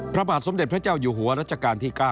พระบาทสมเด็จพระเจ้าอยู่หัวรัชกาลที่๙